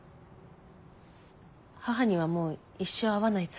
母にはもう一生会わないつもり。